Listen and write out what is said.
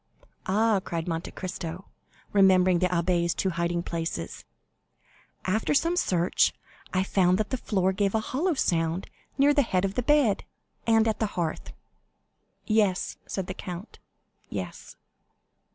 "Ah," cried Monte Cristo, remembering the abbé's two hiding places. "After some search, I found that the floor gave a hollow sound near the head of the bed, and at the hearth." "Yes," said the count, "yes."